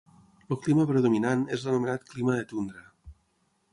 El clima predominant és l'anomenat clima de tundra.